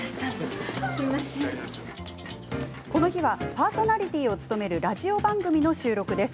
この日はパーソナリティーを務めるラジオ番組の収録です。